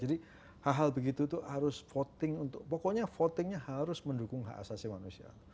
jadi hal hal begitu itu harus voting untuk pokoknya votingnya harus mendukung hak asasi manusia